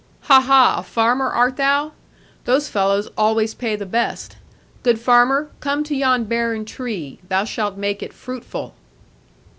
'Ha, ha; a farmer art thou? Those fellows always pay the best. Good farmer, come to yon barren tree; thou shalt make it fruitful.'